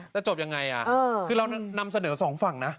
จบยังไงคือเรานำเสนอสองฝั่งนะ